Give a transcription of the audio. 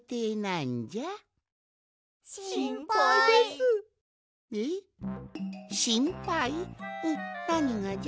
んっなにがじゃ？